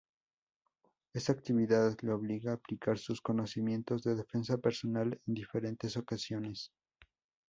Esta actividad le obliga a aplicar sus conocimientos de defensa personal en diferentes ocasiones.